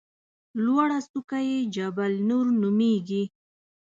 لوړه څوکه یې جبل نور نومېږي.